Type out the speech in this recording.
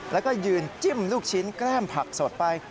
แล้วก็ยืนจิ้มลูกชิ้นแกล้มผักสดไป